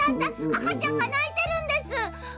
あかちゃんがないてるんです。